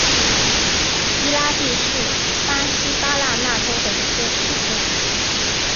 伊拉蒂是巴西巴拉那州的一个市镇。